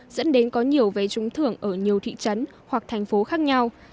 dẫn đến có nhiều vé trúng thưởng ở nhiều thị trấn hoặc thành phố khác nhau